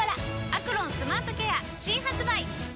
「アクロンスマートケア」新発売！